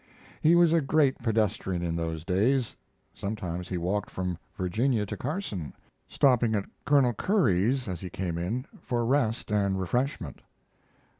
He was a great pedestrian in those days. Sometimes he walked from Virginia to Carson, stopping at Colonel Curry's as he came in for rest and refreshment.